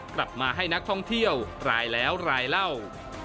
กลับมาให้นักท่องเที่ยวรายแล้วรายเล่า